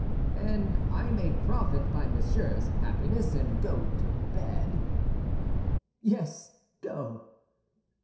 "And I may profit by Monsieur's happiness, and go to bed?" "Yes, go."